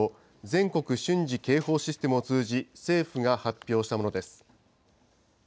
・全国瞬時警報システムを通じ、政府が発表したものです。